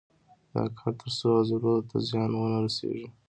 دا کار تر څو عضلو ته زیان ونه رسېږي.